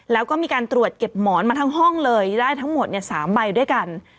แล้วก็มีการตรวจเก็บหมอนมาทั้งห้องเลยได้ทั้งหมด๓ใบด้วยกัน